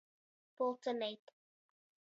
Pulcineit.